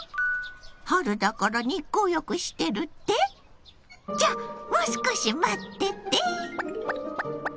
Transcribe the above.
春だから日光浴してるって⁉じゃあもう少し待ってて！